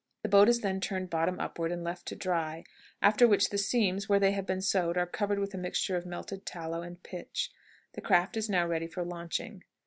The boat is then turned bottom upward and left to dry, after which the seams where they have been sewed are covered with a mixture of melted tallow and pitch: the craft is now ready for launching.